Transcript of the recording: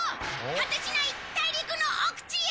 果てしない大陸の奥地へ！